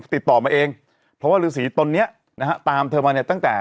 ติดต่อมาเองเพราะว่าฤษีตนเนี้ยนะฮะตามเธอมาเนี่ยตั้งแต่